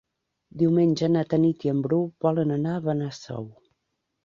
Diumenge na Tanit i en Bru volen anar a Benasau.